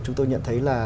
chúng tôi nhận thấy là